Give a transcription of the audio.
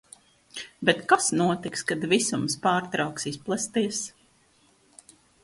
Bet kas notiks, kad visums pārtrauks izplesties?